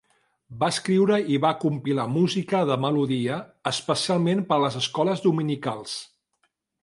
Va escriure i va compilar música de melodia, especialment per a les escoles dominicals.